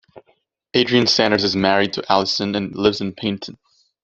Adrian Sanders is married to Alison and lives in Paignton.